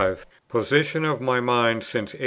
POSITION OF MY MIND SINCE 1845.